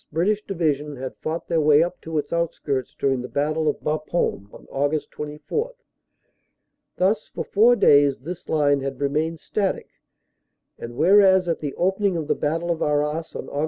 British Division had fought their way up to its outskirts during the battle of Bapaume on Aug. 24. Thus, for four days, this line had remained static, and, whereas at the opening of the battle of Arras on Aug.